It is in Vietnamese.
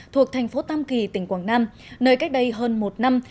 thuộc thành phố tam kỳ tỉnh quảng nam nơi cách đây hơn một năm